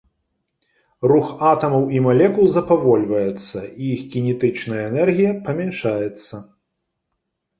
Рух атамаў і малекул запавольваецца, іх кінетычная энергія памяншаецца.